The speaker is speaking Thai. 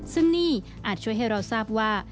ซึ่งนี่อาจช่วยให้เราทราบว่า